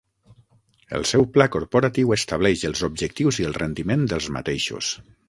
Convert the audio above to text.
El seu Pla Corporatiu estableix els objectius i el rendiment dels mateixos.